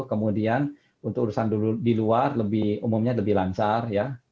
kemudian untuk urusan di luar umumnya lebih lancar